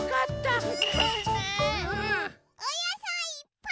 おやさいいっぱい！